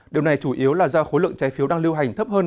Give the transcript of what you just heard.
điều này chủ yếu là do khối lượng trái phiếu đang lưu hành thấp hơn